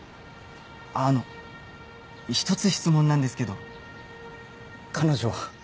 あの１つ質問なんですけど彼女は？